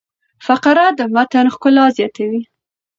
فقره د متن ښکلا زیاتوي.